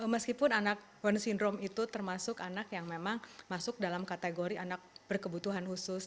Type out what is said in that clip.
meskipun anak down syndrome itu termasuk anak yang memang masuk dalam kategori anak berkebutuhan khusus